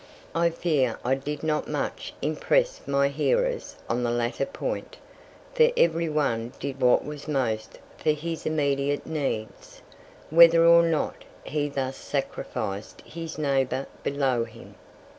I fear I did not much impress my hearers on the latter point, for everyone did what was most for his immediate needs, whether or not he thus sacrificed his neighbour below him.